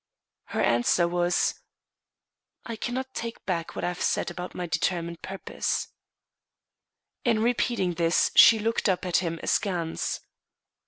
Her answer was: "I cannot take back what I have said about my determined purpose." In repeating this, she looked up at him askance.